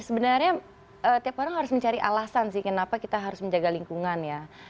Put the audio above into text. sebenarnya tiap orang harus mencari alasan sih kenapa kita harus menjaga lingkungan ya